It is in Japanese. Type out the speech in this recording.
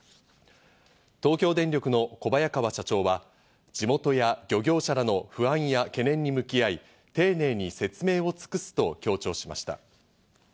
東京電力の小早川社長は地元や漁業者らの不安や懸念に向き合い、丁寧に説明を尽くすと強調しました。